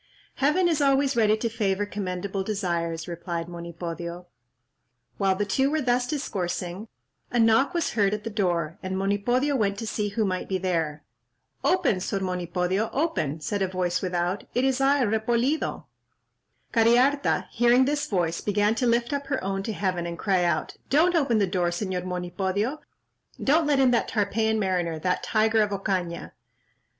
"Heaven is always ready to favour commendable desires," replied Monipodio. While the two were thus discoursing, a knock was heard at the door, and Monipodio went to see who might be there. "Open, Sor Monipodio—open," said a voice without; "it is I, Repolido." Cariharta hearing this voice, began to lift up her own to heaven, and cried out, "Don't open the door, Señor Monipodio; don't let in that Tarpeian mariner—that tiger of Ocaña."